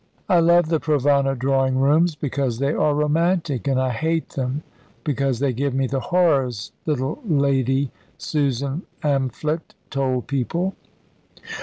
"I love the Provana drawing rooms because they are romantic, and I hate them because they give me the horrors," little Lady Susan Amphlett told people.